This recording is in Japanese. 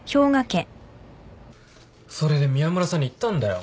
それで宮村さんに言ったんだよ。